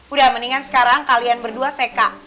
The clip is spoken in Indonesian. udah mendingan sekarang kalian berdua seka